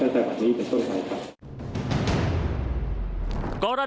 ตั้งแต่วันนี้ก็ต้องไปค่ะ